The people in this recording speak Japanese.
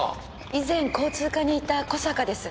以前交通課にいた小坂です。